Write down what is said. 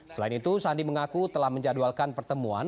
selain itu sandi mengaku telah menjadwalkan pertemuan